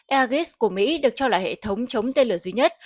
agis của mỹ được cho là hệ thống chống tên lửa duy nhất